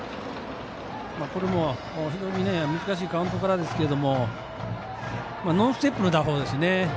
これも、非常に難しいカウントからですけどノンステップの打法ですね。